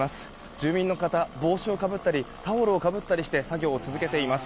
住民の方、帽子をかぶったりタオルをかぶったりして作業を続けています。